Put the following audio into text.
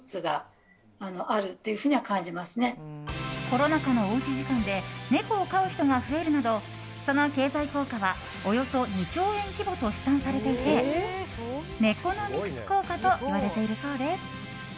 コロナ禍のおうち時間で猫を飼う人が増えるなどその経済効果はおよそ２兆円規模と試算されていてネコノミクス効果といわれているそうです。